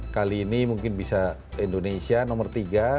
kali ini mungkin bisa indonesia nomor tiga